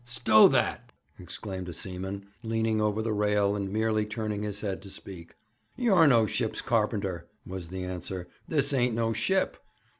'Stow that!' exclaimed a seaman, leaning over the rail, and merely turning his head to speak. 'You're no ship's carpenter,' was the answer. 'This ain't no ship.